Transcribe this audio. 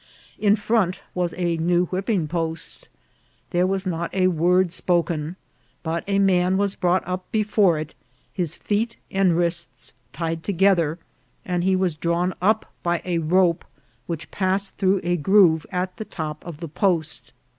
In front was a new whipping post. There was not a word spoken ; but a man was brought up before it, his feet and wrists tied together, and he was drawn up by a rope which passed through a groove at the top of the post.